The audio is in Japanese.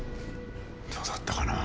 どうだったかな。